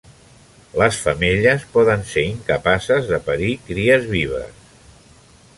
Les femelles poden ser incapaces de parir cries vives.